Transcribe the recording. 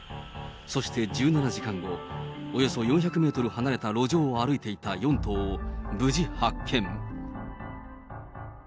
そして１７時間後、およそ４００メートル離れた路上を歩いていた４頭を、無事発見。